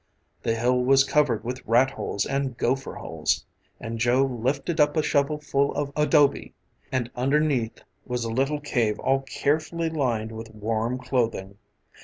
The hill was covered with rat holes and gopher holes, and Joe lifted up a shovel full of adobe and underneath was a little cave all carefully lined with warm clothing.